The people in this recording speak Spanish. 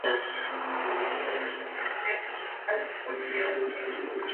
Carmen Gloria tiene tres hijos.